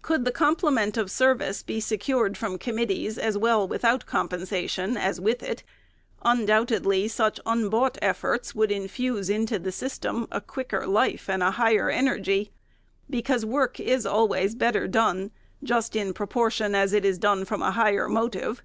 Could the complement of service be secured from com mittees as well without compensation as with it, undoubt edly such unbought efforts would infuse into the system a quicker life and a higher energy ; because work is always better done, just in proportion as it is done from a higher motive.